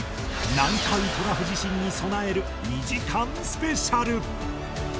南海トラフ地震に備える２時間スペシャル